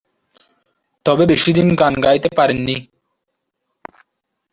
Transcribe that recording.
তবে বেশিদিন গান গাইতে পারেন নি।